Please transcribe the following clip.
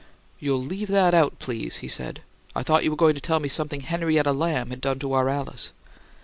"You leave that out, please," he said. "I thought you were going to tell me something Henrietta Lamb had done to our Alice."